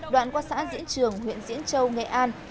đoạn qua xã diễn trường huyện diễn châu nghệ an